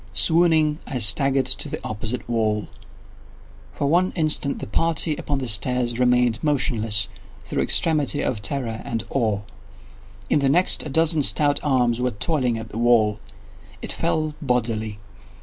Swooning, I staggered to the opposite wall. For one instant the party upon the stairs remained motionless, through extremity of terror and of awe. In the next, a dozen stout arms were toiling at the wall. It fell bodily.